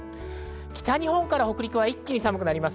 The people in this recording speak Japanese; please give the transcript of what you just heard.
北日本から北陸は一気に寒くなります。